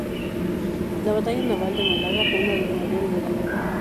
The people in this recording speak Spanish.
La batalla naval de Málaga fue una de las mayores de la guerra.